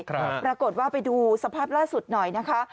ปรากฏว่าไปดูสภาพล่าสุดหน่อยนะคะ